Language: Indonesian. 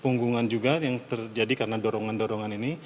punggungan juga yang terjadi karena dorongan dorongan ini